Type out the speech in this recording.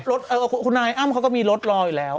คุณอะไรของคุณอัลพ์เขาก็มีรถรออยู่แล้ว